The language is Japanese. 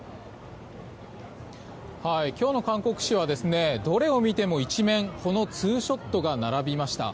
今日の韓国紙はどれを見ても一面このツーショットが並びました。